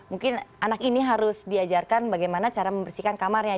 mungkin anak ini harus diajarkan bagaimana cara membersihkan kamarnya